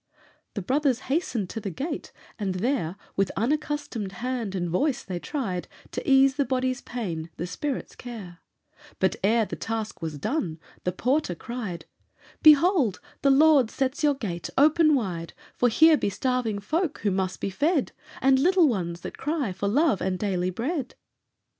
The brothers hastened to the gate, and there With unaccustomed hand and voice they tried To ease the body's pain, the spirit's care; But ere the task was done, the porter cried: "Behold, the Lord sets your gate open wide, For here be starving folk who must be fed, And little ones that cry for love and daily bread!"